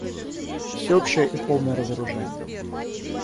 Всеобщее и полное разоружение.